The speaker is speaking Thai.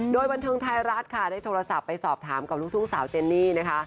โดยบันเทิงไทยรัฐค่ะได้โทรศัพท์ไปสอบถามกับลูกทุ่งสาวเจนนี่นะคะ